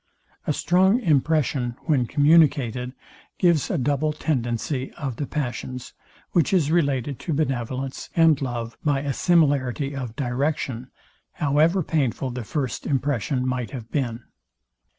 A strong impression, when communicated, gives a double tendency of the passions; which is related to benevolence and love by a similarity of direction; however painful the first impression might have been.